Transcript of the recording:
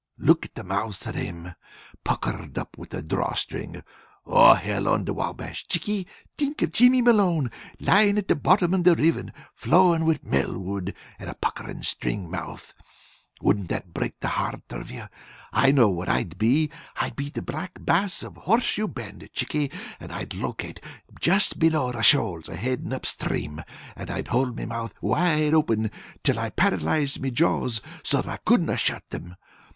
Look at the mouths of thim! Puckered up with a drawstring! Oh, Hell on the Wabash, Chickie, think of Jimmy Malone lyin' at the bottom of a river flowin' with Melwood, and a puckerin' string mouth! Wouldn't that break the heart of you? I know what I'd be. I'd be the Black Bass of Horseshoe Bend, Chickie, and I'd locate just below the shoals headin' up stream, and I'd hold me mouth wide open till I paralyzed me jaws so I couldn't shut thim.